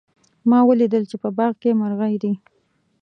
ما ولیدل چې په باغ کې مرغۍ دي